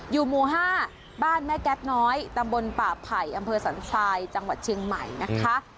อยู่หมู่๕บ้านแม่แก๊สน้อยตำบลป่าไผ่อำเภอสันทรายจังหวัดเชียงใหม่นะคะ